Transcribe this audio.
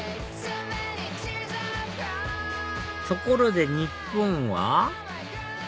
ところで日本は？